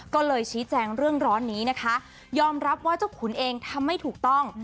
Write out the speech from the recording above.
ก็เลยชี้แจงเรื่องร้อนนี้นะคะยอมรับว่าเจ้าขุนเองทำไม่ถูกต้อง